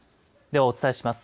ではお伝えします。